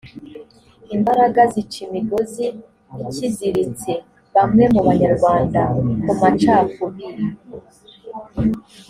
imbaraga zica imigozi ikiziritse bamwe mu banyarwanda ku macakubiri